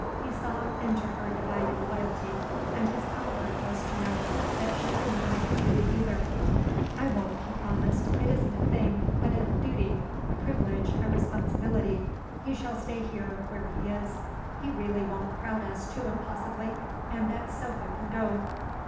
He saw into her divided loyalty. And his comfort was to know that she didn't like the Bouddha either. "I won't," he promised. "It isn't a thing, but a duty, a privilege, a responsibility. He shall stay here, where he is. He really won't crowd us too impossibly, and that sofa can go."